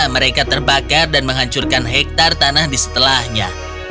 mereka terbakar dan menghancurkan hektare tanah di setelahnya